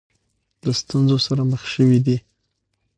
د ستونزو سره مخ شوې دي.